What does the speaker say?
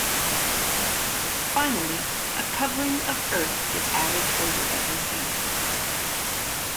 Finally, a covering of earth is added over everything.